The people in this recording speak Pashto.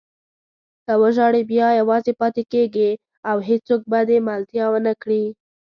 که وژاړې بیا یوازې پاتې کېږې او هېڅوک به دې ملتیا ونه کړي.